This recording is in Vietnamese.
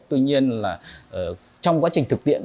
tuy nhiên là trong quá trình thực tiễn